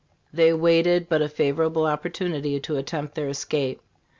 They awaited but a favorable opportunity to attempt their escape.